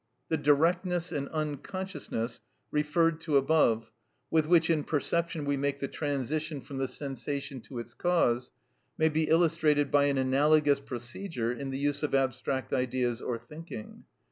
The directness and unconsciousness referred to above, with which in perception we make the transition from the sensation to its cause, may be illustrated by an analogous procedure in the use of abstract ideas or thinking.